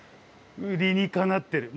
理にかなってる。